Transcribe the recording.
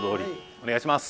お願いします。